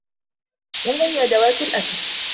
أين هي أدوات الأكل؟